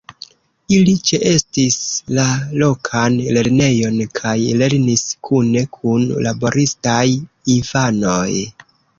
Ili ĉeestis la lokan lernejon kaj lernis kune kun laboristaj infanoj.